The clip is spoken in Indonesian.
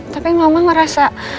tapi mama merasa